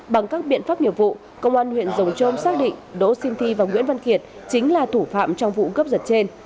bằng các biện pháp nghiệp vụ công an huyện rồng trôm xác định đỗ sinh thi và nguyễn văn kiệt chính là thủ phạm trong vụ cướp giật trên